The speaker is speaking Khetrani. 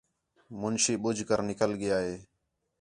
مُنشی ٻُجھ کر نِکل ڳِیا ہِے